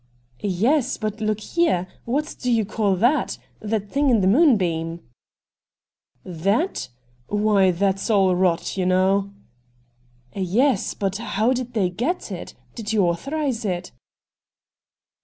'Yes, but look here; what do you call that — that thincf in the '* Moonbeam "?'' That ? Why, that's all rot, you know.' ' Yes, but how did they get it ? Did you authorise it